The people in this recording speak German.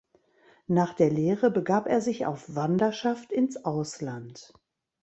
Nach der Lehre begab er sich auf Wanderschaft ins Ausland.